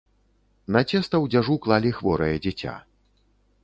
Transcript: На цеста ў дзяжу клалі хворае дзіця.